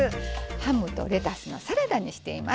ハムとレタスのサラダにしています。